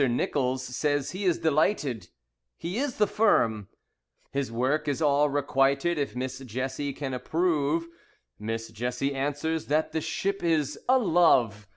Nichols says he is delighted (He is the firm); His work is all requited If Miss Jessie can approve. Miss Jessie answers that the ship is "a love".